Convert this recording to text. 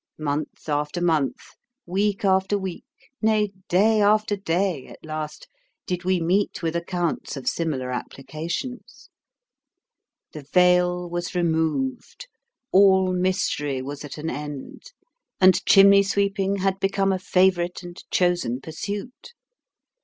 Month after month, week after week, nay, day after day, at last, did we meet with accounts of similar applications. The veil was removed, all mystery was at an end, and chimney sweeping had become a favourite and chosen pursuit.